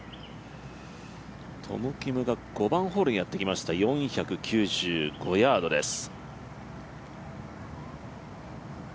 トム・キムが５番ホールにやってきました、４９５ヤードです。